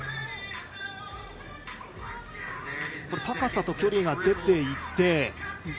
高さと距離が出ていて。